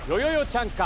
ちゃんか